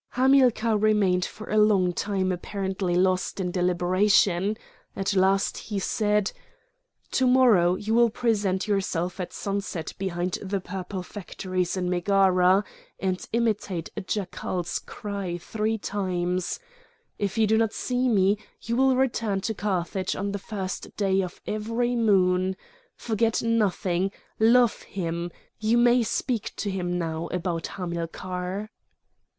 Hamilcar remained for a long time apparently lost in deliberation; at last he said: "To morrow you will present yourself at sunset behind the purple factories in Megara, and imitate a jackal's cry three times. If you do not see me, you will return to Carthage on the first day of every moon. Forget nothing! Love him! You may speak to him now about Hamilcar."